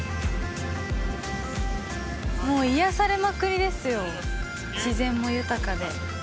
もう癒やされまくりですよ、自然も豊かで。